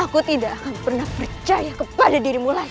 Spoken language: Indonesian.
aku tidak akan pernah percaya kepada dirimu lain